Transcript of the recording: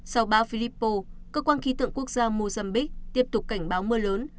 sau bão philippines cơ quan khí tượng quốc gia mozambique tiếp tục cảnh báo mưa lớn